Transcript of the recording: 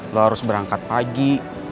lo harus berangkat pagi